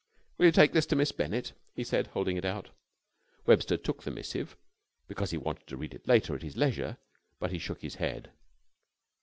"Will you take this to Miss Bennett," he said, holding it out. Webster took the missive, because he wanted to read it later at his leisure; but he shook his head.